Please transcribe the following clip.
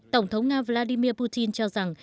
tổng thống nga vladimir putin cho rằng